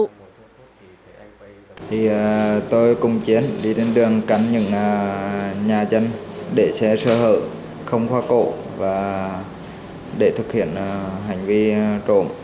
thì tôi cùng chiến đi đến đường cắn những nhà dân để xe sơ hở không khoa cổ và để thực hiện hành vi trộm